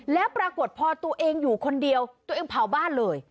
แล้วปรากฏพอตัวเองอยู่คนเดียวตัวเองเผาบ้านเลย